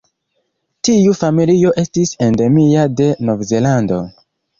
Tiu familio estis endemia de Novzelando.